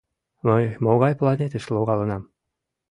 — Мый могай планетыш логалынам?